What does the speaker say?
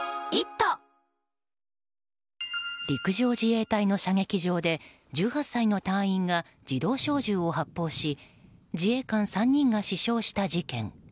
陸上自衛隊の射撃場で１８歳の隊員が自動小銃を発砲し自衛官３人が死傷した事件。